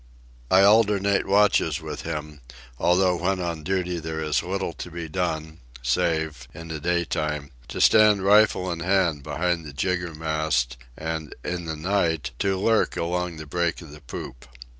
I alternate watches with him, although when on duty there is little to be done, save, in the daytime, to stand rifle in hand behind the jiggermast, and, in the night, to lurk along the break of the poop.